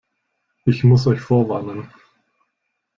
Ich muss euch vorwarnen.